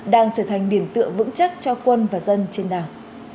đang trở thành điểm tựa vững chắc cho quân và dân trên đảo